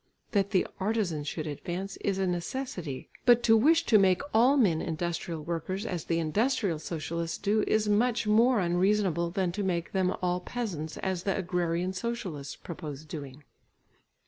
That the artisans should advance is a necessity, but to wish to make all men industrial workers as the industrial socialists do, is much more unreasonable than to make them all peasants as the agrarian socialists purpose doing.